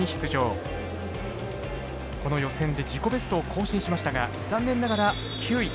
この予選で自己ベストを更新しましたが残念ながら９位。